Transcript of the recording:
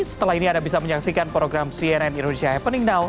setelah ini anda bisa menyaksikan program cnn indonesia happening now